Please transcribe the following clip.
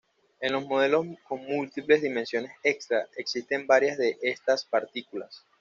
En los modelos con múltiples dimensiones extra, existen varias de estas partículas.